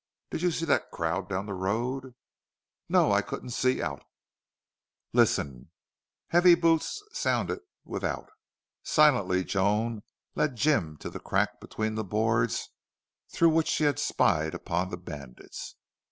Did you see that crowd down the road?" "No. I couldn't see out." "Listen." Heavy tramp boots sounded without. Silently Joan led Jim to the crack between the boards through which she had spied upon the bandits.